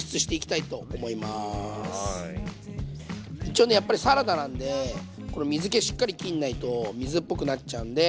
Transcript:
一応ねやっぱりサラダなんでこれ水けしっかりきんないと水っぽくなっちゃうんで。